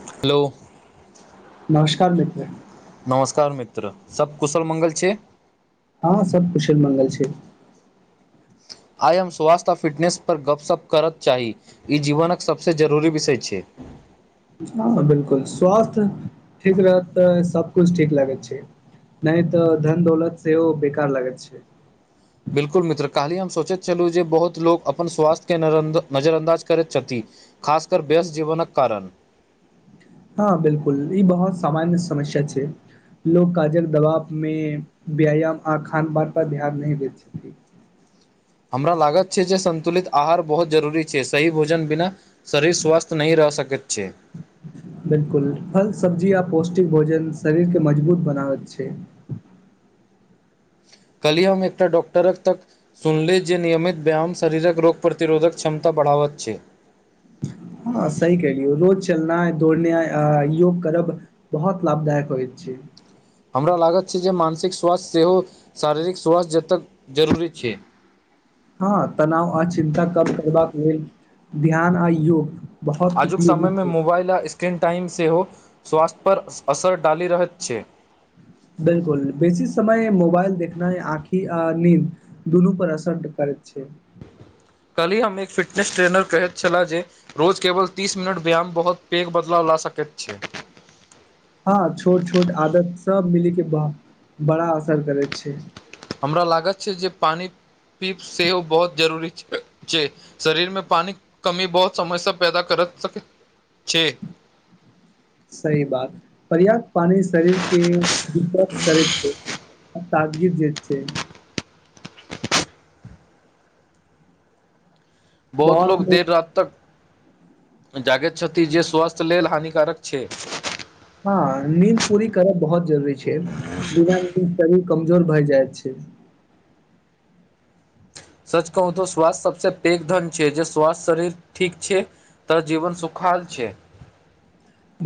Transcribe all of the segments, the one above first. Hello. नमस्कार मित्र। नमस्कार मित्र सभ कुशल मंगल छै हँ सभ कुशल मंगल छै आइ हम स्वास्थ्य आ फिटनेस पर गप सप करत चाही ई जीवनक सभसँ जरूरी विषय छै। हँ बिल्कूल स्वास्थ ठीक रहत तऽ सभकुछु ठीक लागैत छै नहि तऽ धन दौलत सेहो बेकार लागत छै। बिल्कूल मित्र कालहि हम सोचैत छलहुँ जे बहुत लोको अपन स्वास्थ्य के नजर अन्दाज करैत छथि खासकर व्यस्त जीवनक कारण। हँ बिल्कूल ई बहुत सामान्य समस्या छै लोग काजल दबाव मे व्यायाम आ खान पान पर ध्यान नहि दैत छथिन। हमरा लागत छै जे संन्तुलित आहार बहुत जरूरी छै सही भोजन बिना। शरीर स्वस्थ नहि रहि सकैत छै। बिल्कूल फल सबब्जी आ पौष्टिक भोजन शरीर के मजबूत बनाबैत छै कहलियै हम एकटाडॉक्टरक तक। सुनली जे नियमित व्यायाम शरीरक रोग प्रतिरोधक क्षमता बढ़ावैत छै। हँ सही कहलियौ रोज चलना दौड़ने योग करब। बहुत लाभदायक होइ छै। हमरा लागत छै जे मानसिक स्वास्थ्य सेहो शारीरिक स्वास्थ्य जतय जरूरी छै। हँ तनाव आ चिन्ता कम करबाक लेलऽ ध्यान आ योग बहुत आजुक उपयोगी समयमे छै मोबाइल आ स्क्रीन टाइम सेहो स्वास्थ्य परर असर डालि रहैत छै। बिल्कूल बेसी समय मोबाइल देखना ह आँखि आ नीद दुनू पर असर करैत छै। कलहि हम एक फिटनेस ट्रेनर कहैत छलाह जे रोज केवल तीस मिनट व्यायाम बहुत पैघ बदलाव ला सकैत छै। हँ छोट छोट आदत सभ मिली के बड़ा असर करैत छै हमरा लागत छै जे पानि पीब सेहो बहुत जरूरी छै। शरीर मे पानी कमी बहुत समय्य पैदा कर सकै छै सही बात पर्याप्त पानी शरीर के वि करै छै। आ ताजगी जत छै। बहुत लोग देर रति तक जागैत छथि जे स्वास्थ्य लेलऽ हानिकारक छै हँ नीद पूरी करब बहुत जरूरी छै बिना शरीर कमजोर भए जाय छै सच कहू तऽ स्वास्थ्य सभसँ पैघ धन छै जे स्वास्थ्य शरीर ठीक छै तऽ जीवन सुखाल छै।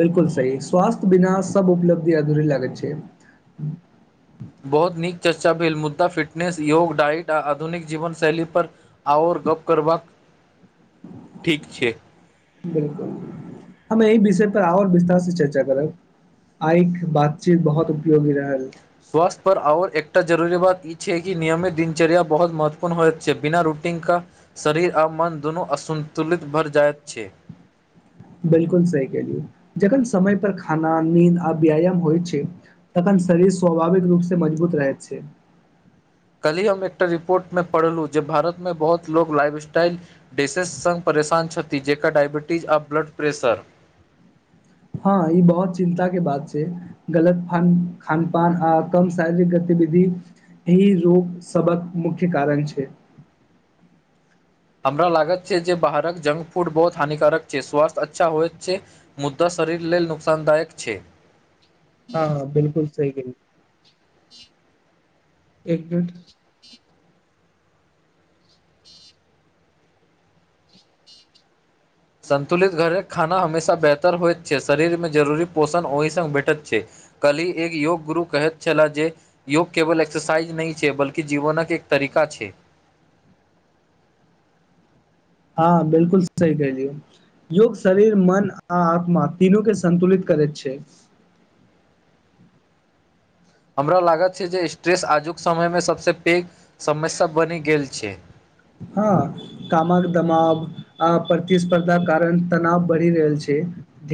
बिल्कूल सी स्वस्थ्य बिना सभ उपलब्धि अधूरी लागैत छै बहुत नीक चर्चा भेल मुद्दा फिटनेस योग इट आ आधुनिक जीवन शैली पर आ ओर गप्प करबाक ठीक छै। बिल्कूल हम एहिह विषय पर आओर विस्तार से चर्चा करब आइक बातचीत बहुत उपयोगी रहल। स्वास्थ्य पर आओर एकटा जरूरी बात ई छै कि नियमित दिनचर्या बहुत महत्वपूर्ण होय छै बिना रूटीन शरीर आ मन दुनू असन्तुलित भर जायइत छै। बिल्कूल सही केलियौ जखन समय पर खाना नीद आ व्यायाम होइ छै तखन शरीर स्वाभाविक रूप से मजबूत रहैत छै। कलहि हम एकटा रिपोर्ट मे पढ़लहु जे भारत मे बहुत लोग लाइफ स्टाइल डसेस संघ परेशान छथि जकर डायबिटीज आ ब्लड प्रेशर ह ई बहुत चिन्ताके बात छै गलत खान पान आ कम शारीरिक गतिविधि। ह रोग सभक़ँ मुख्य कारण छै हमरा लागत छै जे बाहरक जक फूड बहुत हानिकारक छै। स्वास्थ्य अच्छा होय छै। मुद्दा शरीर लेलऽ नुकसानदायक छै हँ बिल्कूल सी गेल एक मिनट संन्तुलित घरे खाना हमेशा बेहतर होइत छै शरीर मे जरूरी पोषण ओहि स भेटैत छै। कल्हि एक योग गुरु कहैत छलाह जे योग केवल एक्सरसाइज नहि छै बल्की जीवनक एक तरीका छै। हँ बिल्कूल सी कह दियौ योग शरीर मन आ आत्मा तीनू के संन्तुलित करैत छै। हमरा लागत छै जे स्ट्रेस आजुक समय मे सभसे पैघ समस्या बनि गेल छै ह कामक दमाव आ प्रतिस्पर्धा कारण तनाव बढ़ि रहल छै।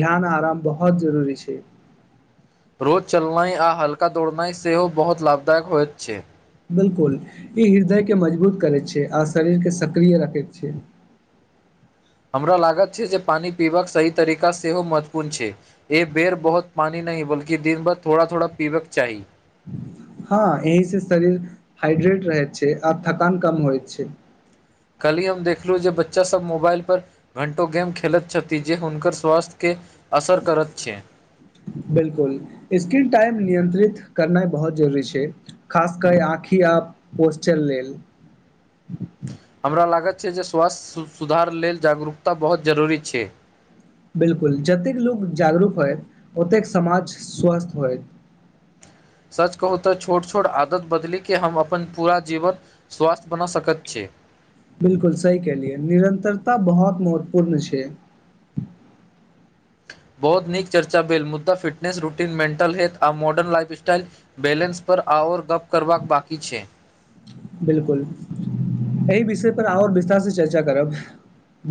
ध्यान आराम बहुत जरूरी छै। रोज चलनाइ आ हल्का दौड़नाइ सेहो बहुत लाभदायक होइत छै। बिल्कूल ई हृदय के मजबूत करैत छै आ शरीर के सक्रिय रखैत छै। हमरा लागत छै जे पानि पीबा कऽ सही तरीका सेहो महत्वपूर्ण छै एक बेर बहुत पानी नहि बलकि दिन भर थोड़ा थोड़ा पीबक चाही हँ एहि से शरीर हाइड्रेट रहै छै आर थकान कम होइ छै। काल्हि हम देखलहुँ जे बच्चासभ मोबाइल पर घण्टो गेम खेलैत छथि जे हुनकर स्वास्थ्यके असर करैत छै। बिल्कूल स्क्रीन टाइम नियंत्रित करनाइ बहुत जरूरी छै खास क आँखिया आ पोच लेलऽ हमरा लागत छै जे स्वास्थ्य सुधार लेलऽ जाग रूकता बहुत जरूरी छै। बिल्कुल जतेक लोको जागरूक होइत ओते कऽ समाज स्वस्थ होय सच कहू तऽ छोट छोट आदत बदली के हम अपन पूरा जीवन स्वास्थ बना सकैत छिये बिल्कूल सही कलियै निरन्तरता बहुत महत्वपूर्ण छै बहुत नीक चर्चा भेले मुद्दा फिटनेस रूटीन मेटल हेथ आ मॉर्न लाइफ स्टटाइल बैलेन्स पर आओर गप्प करबाक बकि छै। बिल्कूल। एहि विषय पर आओर विस्तारसँ चर्चा करब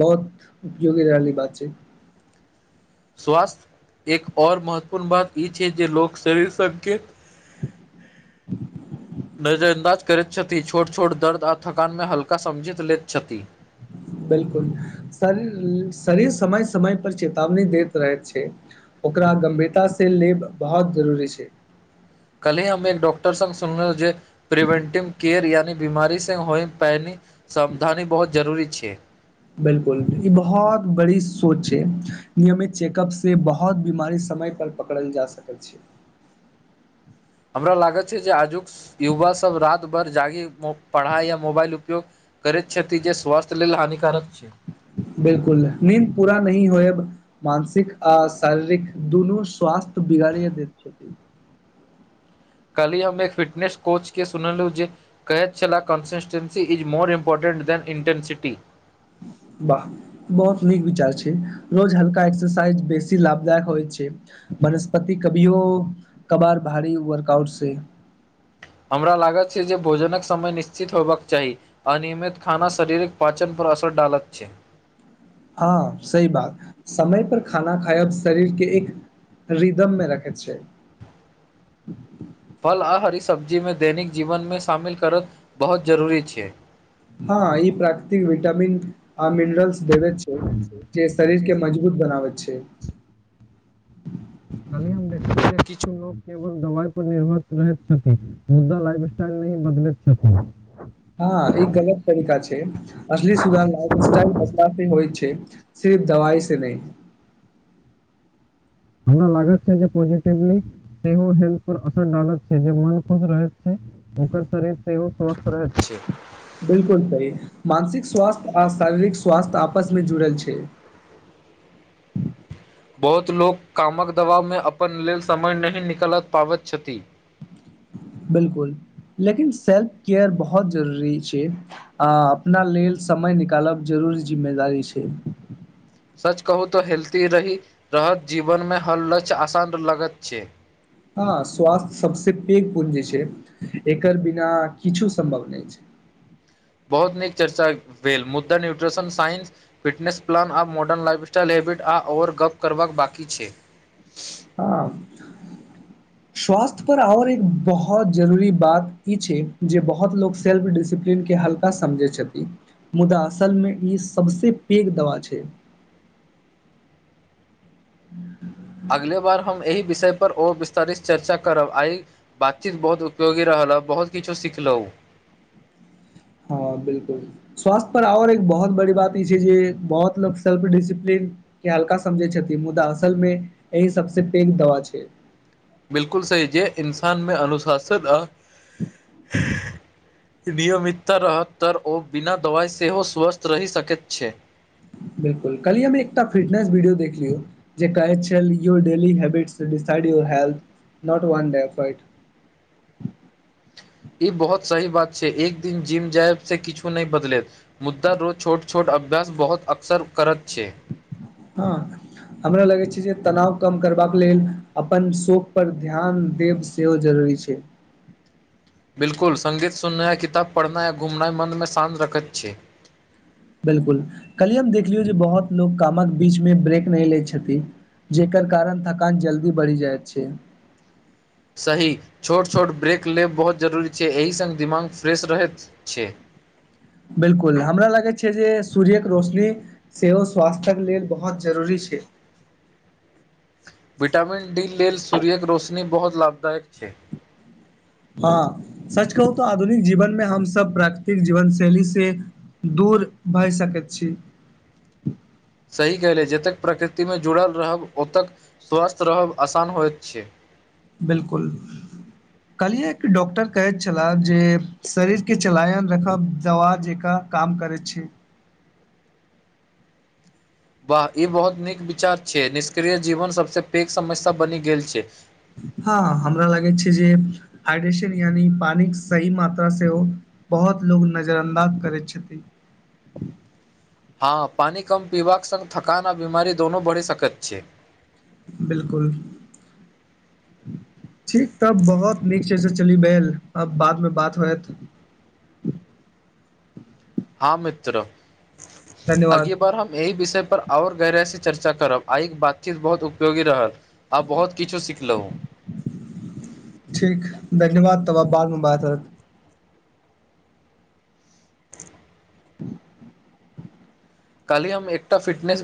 बहुत उपयोगी रहली बात छै। स्वास्थ्य एक ओर महत्वपूर्ण बात ई छै जे लोक शरीर सभके [inaudible] नजर अन्दाज करैत छथि छोट छोट दर्द आ थकानमे हल्का समझि लैत छथि बिल्कूल शरीर समय समय पर चेतावनी दैत रह छै ओकरा गम्भीरतासँ लेब बहुत जरूरी छै कली हम एक डाक्टर सुनले जे प्रिवेंटिव केयर यानि बीमारी से होई पैनी समावधानी बहुत जरूरी छै। बिल्कूल ई बहुत बड़ी सोच है नियमित चेकअप से बहुत बीमारी समय पर पकड़ल जा सकै छै। हमरा लागत छै जे आजुक युवा सभ रति भर जागे पढ़ाई या मोबाइल उपयोग करैत छथि जे स्वास्थ्य लेलऽ हानिकारक छै बिल्कूल नीद पूरा नी होय मानसिक आ शारीरिक दुनू स्वास्थ्य बिगाड़ि छथिन कली हम एक फिटनेस कोच के सुनलहु ज कहैत छलाह consistency is more important than intensity वाह। बहुत नीक विचार छै रोज हल्का एक्सरसाइज बेसी लाभदायक होइ छै। वनस्पति कभि हो कभार भार वर्क आउट से हमरा लागत छै जे भोजनक समय निश्चित होयबाक चाही। अनियमित खाना शरीरिक पाचन पर असर डालत छै। ह सी बात समय पर खाना खायब शरीरके एक रिदम मे रखै छै। फल आ हरी सब्जीमे दैनिक जीवन मे शामिल करत बहुत जरूरी छै ह ई प्राकृतिक विटामिन आ मिनरलस छै जे शरीर के मजबूत बनाब छै कलिम देख किछु लोक केवल दवइ पर निर्भर रह छथि मुदा लाइफ स्टाइल नहि ही बदलैत छथि हँ ई गलत तरीका छै असी सुधार लाइफ स्टाइल होइ छै सिर्फ दवाइ से नहि। हमरा लागैत छै जे पॉजिटिवली सेहो हेल्थ पर असर डालत छै जे मन खुश रहैत छै। ओकर शरीर तग समस्त रहै छै। बिल्कूल सी मानसिक स्वास्थ्य आ शारीरिक स्वस्थ्य आपसमे जुड़ल छै बहुत लोक कामक दबावमे अपन लेलऽ समय नहि निकलि पाबैत छथि बिल्कूल लेकिन सेल्फ केयर बहुत जरूरी छै आ अपना लेलऽ समय निकालब जरूरी जिम्मेदारी छै सच कहू तऽ हेल्थी रही रहत जीवन मे हर लक्ष आसान लगत छै हँ स्वास्थ्य सभसे पैघ पुण्य जे छै एकर बिना किछु सम्भव नहि छै बहुत नीक चर्चा भेल मुदा न्यूट्रिशन साइंस फिटनेस प्लन आ मॉर्डर्न लाइफस्टाइल हैबिट ओवर गप करबाक बाकी छै ह स्वास्थ्य पर आओर एक बहुत जरूरी बात ई छै जे बहुत लोग सेल्फ डिसिप्लीन के ह ल समझै छथि मुदा असलमे ई सभसे पैघ दवा छै ह। अगले बार हम एहि विषय पर विस्तारित चर्चा करब आइ बातचीत बहुत उपयोगी रहल हैं बहुत किछो सिखलहुँ हँ बिल्कूल स्वास्थ्य पर ओर एक बहुत बड़ी बात ई छै जे बहुत लोक सेल्फ डिसिप्लीन के हल्का समझै छथि मुदा असल मे एहिही सभसँ पैघ दवा छै बिल्कुल सही जे इन्सानमे अनुशासित अ नियमितता रहत त ओ बिना दवाइ सेहो स्वस्थ रहि सकैत छै। बिल्कूल कली हम एकटा फिटनेस वीडियो देखलियौ ड ह [unintelligible] ई बहुत सही बात छै एक दिन जिम जायब से किछु नहि बदलै मुदा रोज छोट छोट अभ्यास बहुत अक्सर करत छै ह हमरा लगैत छै जे तनाव कम करबा कऽ लेलऽ अपन शोक पर ध्यान देब सेव जरूरी छै। बिल्कुल सघ सुननाइ आ किताब पढ़नाइ आ घुमनाइ मनमे शान्त रखैत छै बिल्कूल कलिय हम देखलियौ जे बहुत लोको कामक बीचमे ब्रेक नहि लैत छथिन जेकर कारण थकान जल्दी बढ़ि जाइत छै। सही छोट छोट ब्रेक लेब बहुत जरूरी छै एहि संघ दिमाग फ्रेश रहैत छै। बिल्कूल हमरा लागै छै जे सूर्यके रोशनी सेहो स्वास्थ्यक लेलऽ बहुत जरूरी छै विटामिन डी लेलऽ सूर्यके रोशनी बहुत लाभदायक छै। हँ सच कहू तऽ आधुनिक जीवन मे हमस प्राकृतिक जीवन शैली से दूर भए सकैत छै सही कलै जतेक प्रकृतिमे जुड़ल रहब ओते कऽ स्वस्थ रहब आसान होइत छै बिल्कूल कहलियै एक डॉक्टर कहैत छलाह जे शरीरके चलायन राखब दवा जेका काम करै छै वाह ई बहुत नीक विचार छै निष्क्रिय जीवन सभसँ पैघ समस्या बनि गेल छै। हँ हमरा लागैत छै जे हाइड्रेशन यानि पानिक सही मात्रा बहुत लोग नजर अन्दाज करै छथिन। हँ पानि कम पीबाक संघ थकान आ बीमारी दुनू बढ़ि सकैत छै। बिल्कूल ठीक तब बहुत नीक छै से चली भेल अब बाद मे बात होयत हँ मित्र अगी धन्यवाद बार हम एहि विषय पर आओर गहराइसँ चर्चा करब आइ के बातचीत बहुत उपयोगी रहल आ बहुत किछु सिखलहुँ ठीक धन्यवाद तबाब बाद मे बायत। काली हम एकटा फिटनेसँ